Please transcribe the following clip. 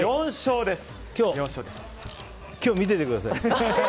今日、見ててください！